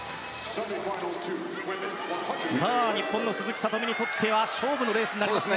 日本の鈴木聡美にとっては勝負のレースとなりますね。